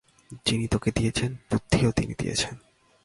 যিনি তোকে দিয়েছেন বুদ্ধিও তিনি দিয়েছেন।